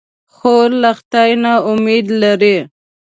خور له خدای نه امید لري.